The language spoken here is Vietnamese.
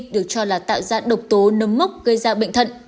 được cho là tạo ra độc tố nấm mốc gây ra bệnh thận